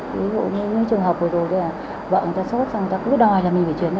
ví dụ như trường hợp vừa rồi vợ người ta sốt xong người ta cứ đòi là mình phải truyền ra